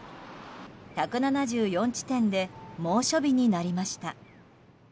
１７４地点で猛暑日になりました。